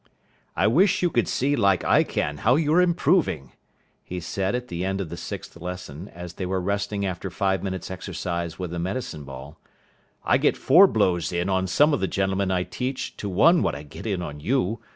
"I wish you could see like I can how you're improving," he said at the end of the sixth lesson, as they were resting after five minutes' exercise with the medicine ball. "I get four blows in on some of the gentlemen I teach to one what I get in on you.